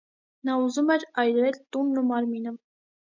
Նա ուզում էր այրել տունն ու մարմինը։